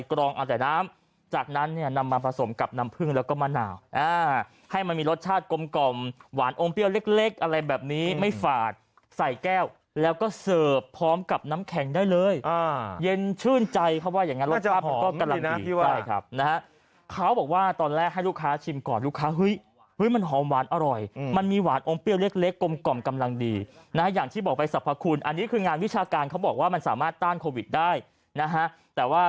กล่องออกจากน้ำจากนั้นเนี่ยนำมาผสมกับน้ำพื้นแล้วก็มะหนาวอ่าให้มันมีรสชาติกลมกล่อมหวานอมเปรี้ยวเล็กอะไรแบบนี้ไม่ฝาดใส่แก้วแล้วก็เสิร์ฟพร้อมกับน้ำแข็งได้เลยอ่าเย็นชื่นใจเขาว่าอย่างงั้นรสชาติก็กำลังดีนะพี่ว่าใช่ครับนะฮะเขาบอกว่าตอนแรกให้ลูกค้าชิมก่อนลูกค้าเฮ้ยเฮ